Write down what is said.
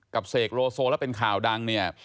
กับเสกโรโซและเป็นข่าวดังเนี่ย